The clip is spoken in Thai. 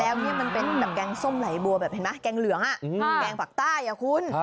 แล้วนี่มันเป็นแบบแกงส้มไหลบัวแบบเห็นไหมแกงเหลืองแกงปากใต้อ่ะคุณ